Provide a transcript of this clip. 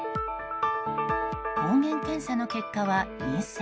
抗原検査の結果は陰性。